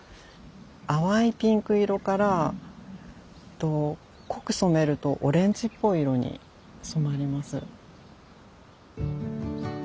淡いピンク色からえっと濃く染めるとオレンジっぽい色に染まります。